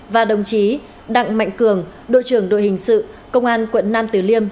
và đồng chí đặng mạnh cường đội trưởng đội hình sự công an quận nam tử liêm